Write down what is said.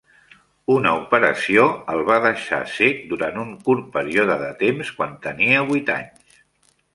Una operació el va deixar cec durant un curt període de temps quan tenia vuit anys.